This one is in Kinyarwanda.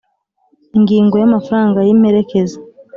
Ingingo ya Amafaranga y imperekeza